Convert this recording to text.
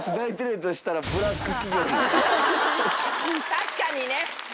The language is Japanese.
確かにね。